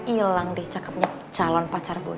ilang deh cakepnya calon pacar boy